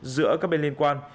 giữa các bên liên quan